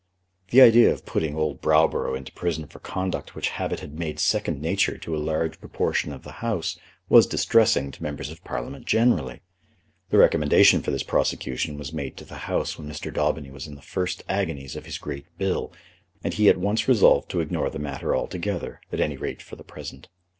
The idea of putting old Browborough into prison for conduct which habit had made second nature to a large proportion of the House was distressing to Members of Parliament generally. The recommendation for this prosecution was made to the House when Mr. Daubeny was in the first agonies of his great Bill, and he at once resolved to ignore the matter altogether, at any rate for the present.